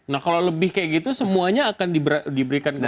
nah kalau lebih kayak gitu semuanya akan diberikan kembali